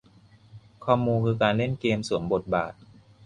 คอมมูคือการเล่นเกมสวมบทบาท